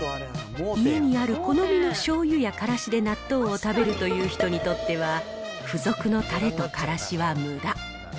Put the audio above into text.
家にある好みのしょうゆやからしで納豆を食べるという人にとっては、付属のたれとからしはむだ。